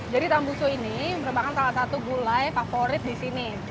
jadi tambusu ini merupakan salah satu gulai favorit disini